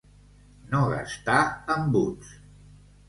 No gastar embuts.